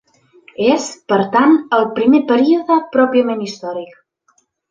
És, per tant, el primer període pròpiament històric.